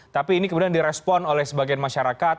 tapi ini kemudian direspon oleh sebagian masyarakat